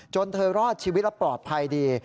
เธอรอดชีวิตและปลอดภัยดี